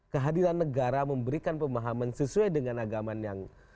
kehadiran negara memberikan pemahaman sesuai dengan agama yang